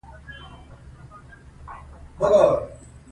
مېلې د اولس د فرهنګي پانګي ساتنه کوي.